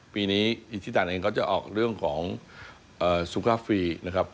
ปีนี้อิชิตันเองก็จะออกเรื่องของสุก้าฟรีนะครับ